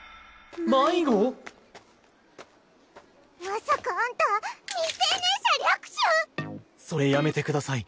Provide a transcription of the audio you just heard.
まさかあんた未成年者略取⁉それやめてください